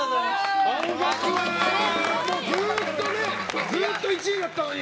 青学はずっと１位だったのに。